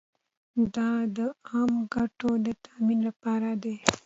دا د عامه ګټو د تامین لپاره دی.